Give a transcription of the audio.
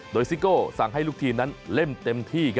โดยซิโก้สั่งให้ลูกทีมนั้นเล่นเต็มที่